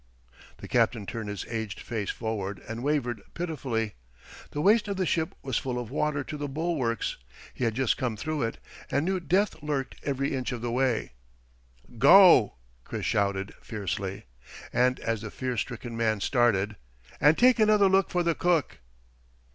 The captain turned his aged face forward and wavered pitifully. The waist of the ship was full of water to the bulwarks. He had just come through it, and knew death lurked every inch of the way. "Go!" Chris shouted, fiercely. And as the fear stricken man started, "And take another look for the cook!"